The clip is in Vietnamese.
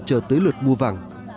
chờ tới lượt mua vàng